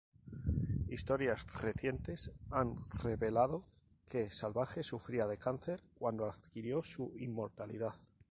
Historias recientes han revelado que Salvaje sufría de cáncer cuando adquirió su inmortalidad.